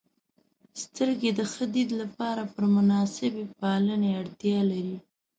• سترګې د ښه دید لپاره پر مناسبې پالنې اړتیا لري.